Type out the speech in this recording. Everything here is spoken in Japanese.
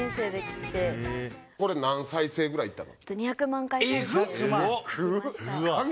これ何再生ぐらいいったの？